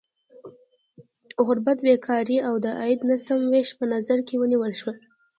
غربت، بېکاري او د عاید ناسم ویش په نظر کې ونیول شول.